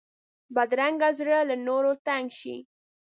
بدرنګه زړه له نورو تنګ شي